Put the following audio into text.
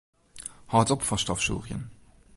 Hâld op fan stofsûgjen.